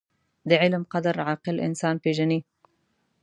• د علم قدر، عاقل انسان پېژني.